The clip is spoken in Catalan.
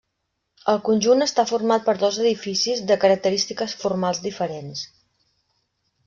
El conjunt està format per dos edificis de característiques formals diferents.